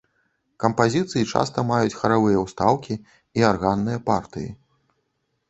Кампазіцыі часта маюць харавыя ўстаўкі і арганныя партыі.